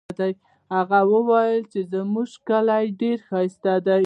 هغه وایي چې زموږ کلی ډېر ښایسته ده